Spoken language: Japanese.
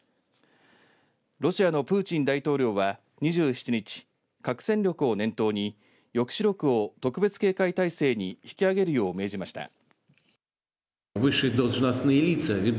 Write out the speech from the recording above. ロシアのプーチン大統領は２７日核戦力を念頭に抑止力を特別警戒態勢に引き上げるよう命じました。